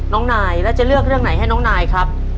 น้องนายแล้วจะเลือกเรื่องไหนให้น้องนายครับ